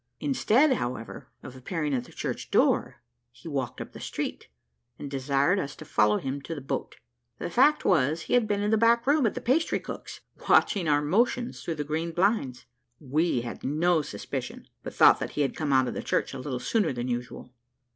Instead, however, of appearing at the church door, he walked up the street, and desired us to follow him to the boat. The fact was, he had been in the back room at the pastry cook's watching our motions through the green blinds. We had no suspicion, but thought that he had come out of church a little sooner than usual.